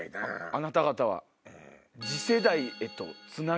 あなた方は。